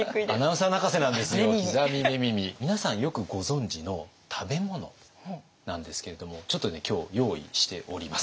皆さんよくご存じの食べ物なんですけれどもちょっとね今日用意しております。